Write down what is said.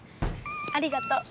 ありがと。